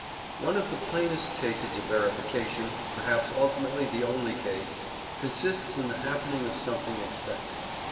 One of the plainest cases of verification, perhaps ultimately the only case, consists in the happening of something expected.